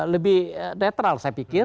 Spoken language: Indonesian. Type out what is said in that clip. lebih netral saya pikir